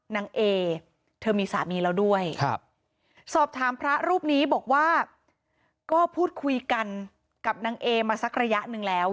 นางเอเธอมีสามีแล้วด้วยสอบถามพระรูปนี้บอกว่าก็พูดคุยกันกับนางเอมาสักระยะหนึ่งแล้ว